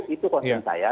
itu konten saya